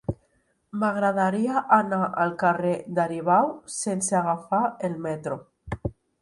M'agradaria anar al carrer d'Aribau sense agafar el metro.